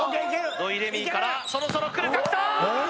土井レミイからそろそろくるかきた！